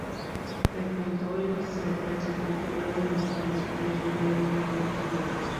Frecuentó el liceo clásico, período en el cual escribió su diario y algunos cuentos.